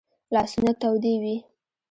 لاسونه تودې وي